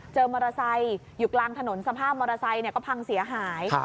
เจอมอเงินอยู่กลางถนนสภาพมอเงินก็พังเสียหาย